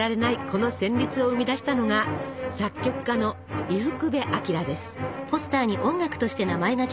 この旋律を生み出したのが作曲家の伊福部昭です。